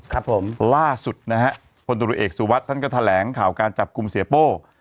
ครับผมล่าสุดนะฮะพลตรวจเอกสุวัสดิ์ท่านก็แถลงข่าวการจับกลุ่มเสียโป้